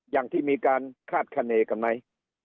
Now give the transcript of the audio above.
อย่างที่มีการคาดคณีกันไหม